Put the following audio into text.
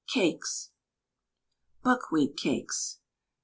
CAKES. BUCKWHEAT CAKES.